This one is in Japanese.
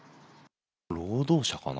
労働者かな？